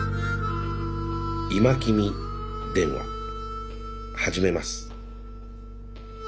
「今君電話」始めます。